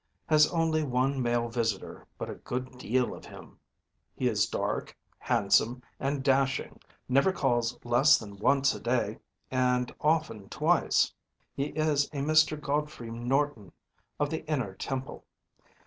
Has only one male visitor, but a good deal of him. He is dark, handsome, and dashing, never calls less than once a day, and often twice. He is a Mr. Godfrey Norton, of the Inner Temple.